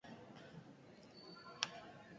Begirada haserretua bota zion aldizkari pilari.